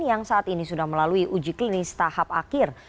yang saat ini sudah melalui uji klinis tahap akhir